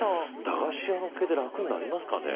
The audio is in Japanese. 駄菓子屋の経営で楽になりますかね？